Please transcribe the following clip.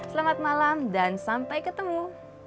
selamat malam dan sampai ketemu